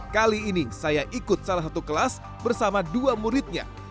kali ini saya ikut salah satu kelas bersama dua muridnya